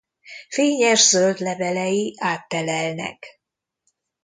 Fényes zöld levelei áttelelnek.